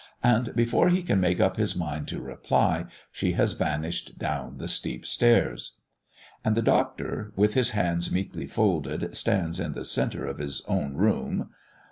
And before he can make up his mind to reply, she has vanished down the steep stairs. And the Doctor, with his hands meekly folded, stands in the centre of his "own room."